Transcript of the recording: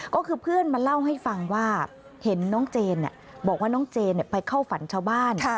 ก็คือเพื่อนมาเล่าให้ฟังว่าเห็นน้องเจนบอกว่าน้องเจนไปเข้าฝันชาวบ้าน